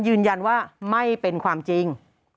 ยืนยันว่าไม่เป็นความจริง